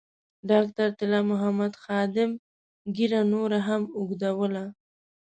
ډاکټر طلا محمد خادم ږیره نوره هم اوږدوله.